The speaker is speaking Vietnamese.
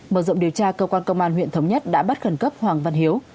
mở rộng điều tra cơ quan công an huyện thống nhất đã bắt khẩn cấp hoàng văn hiếu